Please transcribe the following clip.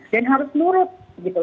dan harus nurut